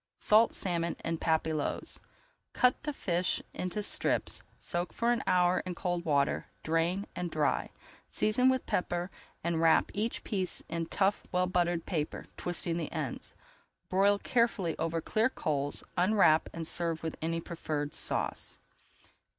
SALT SALMON IN PAPILLOTES Cut the fish into strips, soak for an hour in cold water, drain, and dry. Season with pepper and wrap each piece in tough, well buttered paper, twisting the ends. Broil carefully over clear coals, unwrap and serve with any preferred sauce.